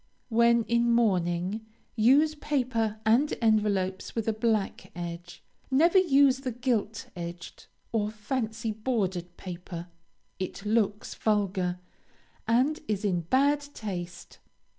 When in mourning, use paper and envelopes with a black edge. Never use the gilt edged, or fancy bordered paper; it looks vulgar, and is in bad taste.